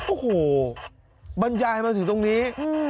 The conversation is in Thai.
โอ้โหบรรยายมาถึงตรงนี้